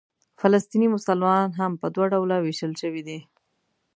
فلسطیني مسلمانان هم په دوه ډوله وېشل شوي دي.